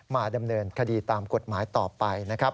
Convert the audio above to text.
มาดำเนินคดีตามกฎหมายต่อไปนะครับ